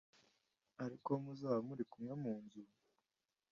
ariko uwo muzaba muri kumwe mu nzu